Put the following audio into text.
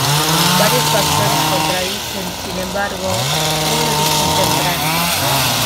Varios factores contradicen, sin embargo, un origen temprano.